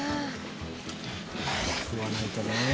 食わないとな。